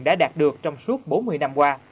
đã đạt được trong suốt bốn mươi năm qua